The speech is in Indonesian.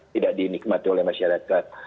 tidak dinikmati oleh masyarakat